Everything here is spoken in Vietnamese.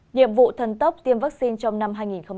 nhiệm vụ thần tốc tiêm vaccine trong năm hai nghìn hai mươi